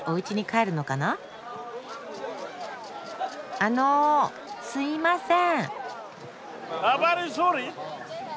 あのすいません。